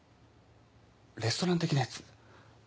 レストラン的なやつ。